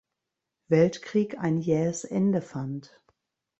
Weltkrieg ein jähes Ende fand.